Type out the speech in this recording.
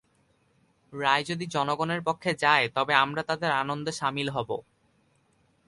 রায় যদি জনগণের পক্ষে যায়, তবে আমরা তাদের আনন্দে শামিল হব।